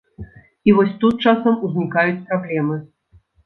І вось тут часам узнікаюць праблемы.